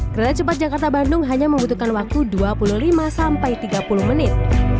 kereta cepat jakarta bandung hanya membutuhkan waktu dua puluh lima sampai tiga puluh menit